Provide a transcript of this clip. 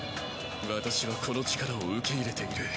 私はこの力を受け入れている。